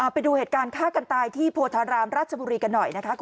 ไปดูเหตุการณ์ฆ่ากันตายที่โพธารามราชบุรีกันหน่อยนะคะ